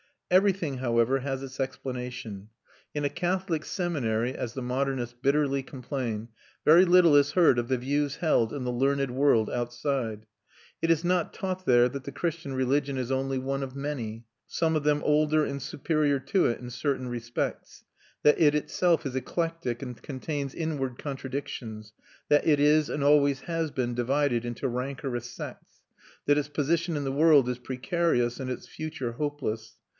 Everything, however, has its explanation. In a Catholic seminary, as the modernists bitterly complain, very little is heard of the views held in the learned world outside. It is not taught there that the Christian religion is only one of many, some of them older and superior to it in certain respects; that it itself is eclectic and contains inward contradictions; that it is and always has been divided into rancorous sects; that its position in the world is precarious and its future hopeless.